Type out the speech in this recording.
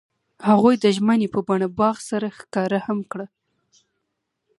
هغوی د ژمنې په بڼه باغ سره ښکاره هم کړه.